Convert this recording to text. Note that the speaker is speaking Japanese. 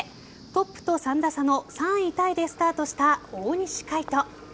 トップと３打差の３位タイでスタートした大西魁斗。